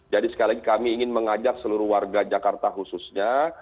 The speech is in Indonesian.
jadi sekali lagi kami ingin mengajak seluruh warga jakarta khususnya